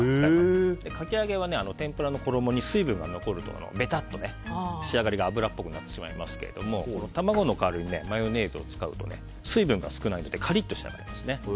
かき揚げは天ぷらの衣に水分が残るとべたっと仕上がりが油っぽくなってしまいますが卵の代わりにマヨネーズを使うと水分が少ないのでカリッと仕上がりますね。